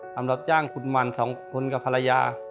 สำหรับจ้างขุดมัน๒คนกับภรรยา